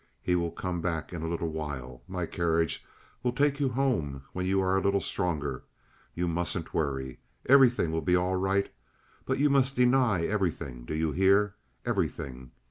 He will come back in a little while. My carriage will take you home when you are a little stronger. You mustn't worry. Everything will be all right, but you must deny everything, do you hear? Everything!